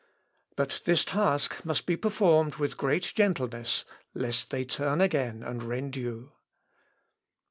But this task must be performed with great gentleness, lest they turn again and rend you."